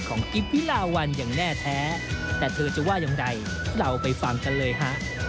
ของกีฬาวันอย่างแน่แท้แต่เธอจะว่ายังไงเราไปฟังกันเลยฮะ